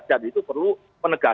dan itu perlu penegakan